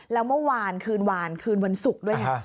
แล้วเมื่อวานคืนวานคืนวันศุกร์ด้วยไง